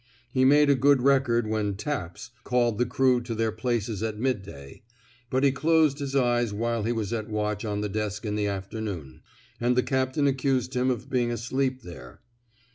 He made a good record when taps *' called the crew to their places at midday, but he closed his eyes while he was at watch on the desk in the afternoon, and the captain accused him of being asleep there.